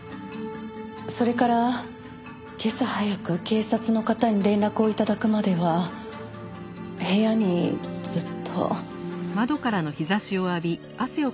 それから今朝早く警察の方に連絡を頂くまでは部屋にずっと。